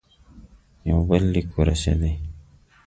یو بل لیک ورسېدی.